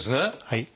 はい。